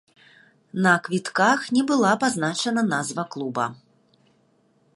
На квітках не была пазначана назва клуба.